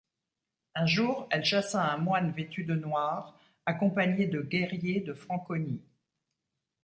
Un jour, elle chassa un moine vêtu de noir, accompagnée de guerriers de Franconie.